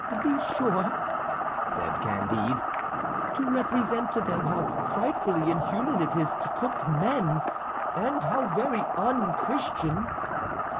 "Be sure," said Candide, "to represent to them how frightfully inhuman it is to cook men, and how very un Christian."